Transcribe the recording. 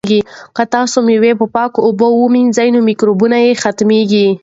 که تاسي مېوې په پاکو اوبو ومینځئ نو مکروبونه یې ختمیږي.